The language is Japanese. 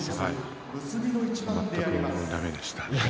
全くだめでした。